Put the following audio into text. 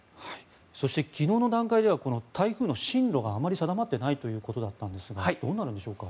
そして昨日の段階では台風の進路があまり定まっていないということでしたがどうなるんでしょうか。